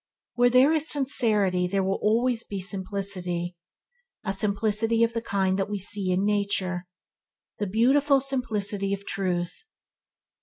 Where there is sincerity there will always be simplicity – a simplicity of the kind that we see in nature, the beautiful simplicity of truth.